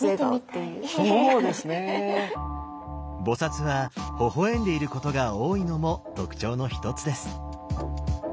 菩はほほ笑んでいることが多いのも特徴の一つです。